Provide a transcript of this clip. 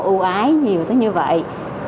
ưu ái nhiều tới như vậy